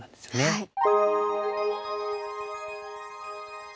はい。